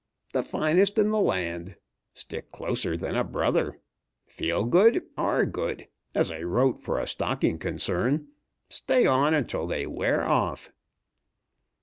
The finest in the land. Stick closer than a brother, 'feel good, are good,' as I wrote for a stocking concern. Stay on until they wear off."